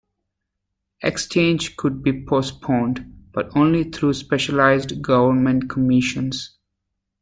Exchange could be postponed, but only through specialised government commissions.